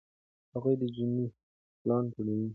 هغوی د جنورۍ پلان جوړوي.